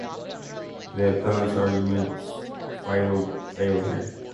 The appellants argument failed here.